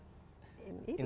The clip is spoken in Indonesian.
instagram kalau suka